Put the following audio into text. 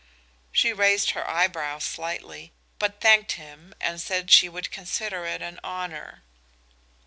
She raised her eyebrows slightly, but thanked him and said she would consider it an honor.